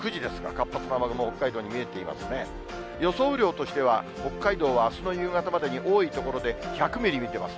雨量としては北海道はあすの夕方までに多い所で１００ミリ見てます。